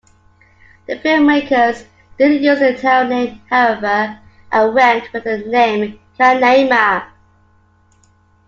The filmmakers didn't use the town name however, and went with the name Canaima.